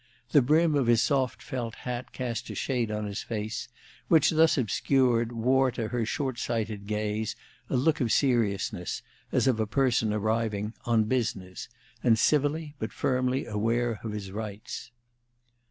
The brim of his soft felt hat cast a shade on his face, which, thus obscured, wore to her short sighted gaze a look of seriousness, as of a person arriving "on business," and civilly but firmly aware of his rights.